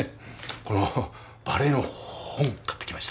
このバレエの本買ってきました。